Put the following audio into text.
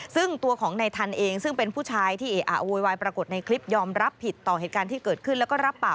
ซึ่งตัวของในทันเองซึ่งเป็นผู้ชายที่เอะอะโวยวายปรากฏในคลิปยอมรับผิดต่อเหตุการณ์ที่เกิดขึ้นแล้วก็รับปาก